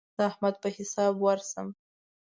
د احمد په حساب ورسم.